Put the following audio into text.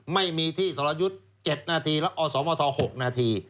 ไม่มีที่สรยุทธ์๗นาทีแล้วอสมท๖นาที